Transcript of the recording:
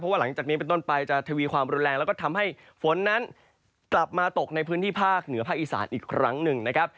ว่าหลังจากนี้เป็นต้นไปจะทวีความรุนแรงแล้วก็ทำให้ฝนนั้นกลับมาตกในพื้นที่ภาคเหนือภาคอีสานอีกครั้งหนึ่งนะครับ